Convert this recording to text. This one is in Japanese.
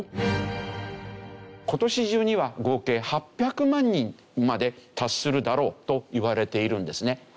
今年中には合計８００万人にまで達するだろうといわれているんですね。